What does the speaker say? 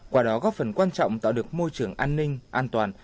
qua đó góp phần quan trọng tạo được môi trường an ninh an toàn